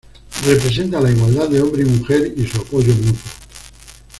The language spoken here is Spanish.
Representa la igualdad de hombre y mujer y su apoyo mutuo.